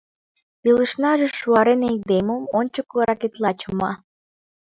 Илышнаже, шуарен айдемым, ончыко ракетыла чыма.